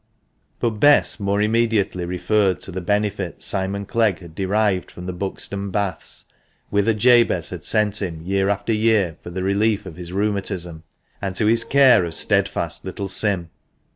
But Bess more immediately referred to the benefit Simon Clegg had derived from the Buxton Baths, whither Jabez had sent him year after year, for the relief of his rheumatism, and to his care of steadfast little Sim.